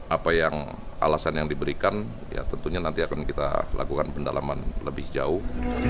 apa yang alasan yang diberikan ya tentunya nanti akan kita lakukan pendalaman lebih jauh